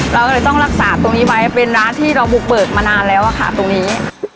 เราก็เลยต้องรักษาตรงนี้ไว้เป็นร้านที่เราบุกเบิกมานานแล้วอะค่ะตรงนี้